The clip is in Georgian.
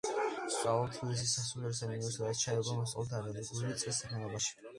სწავლობდა თბილისის სასულიერო სემინარიაში, სადაც ჩაება მოსწავლეთა არალეგალური წრის საქმიანობაში.